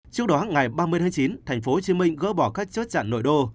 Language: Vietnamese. trước đó ngày ba mươi tháng chín tp hcm gỡ bỏ các chốt chặn nội đô